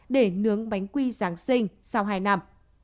để nướng bánh quy giáng sinh sau hai năm